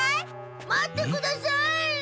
待ってください！